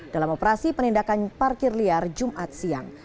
dalam operasi penindakan parkir liar jumat siang